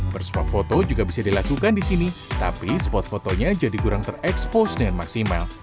bersuah foto juga bisa dilakukan di sini tapi spot fotonya jadi kurang terekspos dengan maksimal